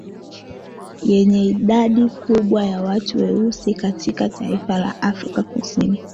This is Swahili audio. Yenye idadi kubwa ya watu weusi katika taifa la Afrika Kusini